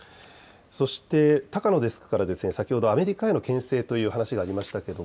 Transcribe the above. そして高野デスクから先ほどアメリカへのけん制という話がありました。